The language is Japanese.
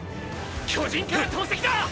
巨人から投石だ！！